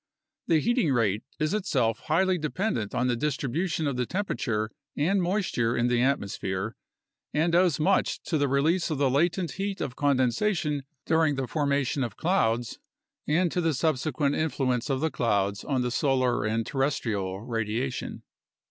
The heating rate is itself highly dependent on the distribution of the temperature and moisture in the atmosphere and owes much to the release of the latent heat of condensation during the formation of clouds and to the subse quent influence of the clouds on the solar and terrestrial radiation.